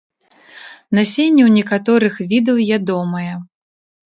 Насенне ў некаторых відаў ядомае.